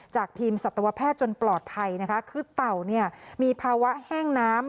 ทีมสัตวแพทย์จนปลอดภัยนะคะคือเต่าเนี่ยมีภาวะแห้งน้ำ